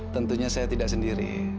tentunya saya tidak sendiri